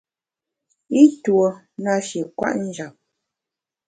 I tuo nashi kwet njap.